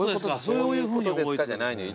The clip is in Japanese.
そういうことですかじゃないのよ。